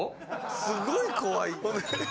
すごい怖い。